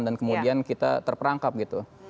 dan kemudian kita terperangkap gitu